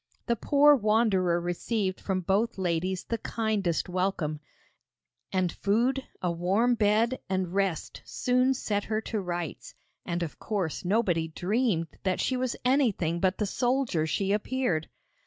The poor wanderer received from both ladies the kindest welcome; and food, a warm bed, and rest soon set her to rights, and of course nobody dreamed that she was anything but the soldier she appeared.